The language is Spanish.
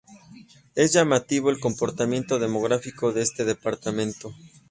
Es llamativo el comportamiento demográfico de este departamento.